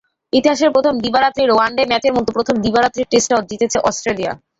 ইতিহাসের প্রথম দিবারাত্রির ওয়ানডে ম্যাচের মতো প্রথম দিবারাত্রির টেস্টটাও জিতেছে অস্ট্রেলিয়া।